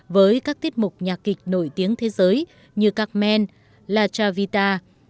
với các tiết mục nhạc kịch nổi tiếng thế giới như carmen la chavita